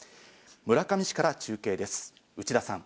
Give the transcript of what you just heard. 村上市から中継です、内田さん。